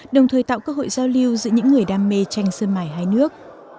đồng thời tạo cơ hội giao lưu giữa những người đam mê tranh sơn mài hai nước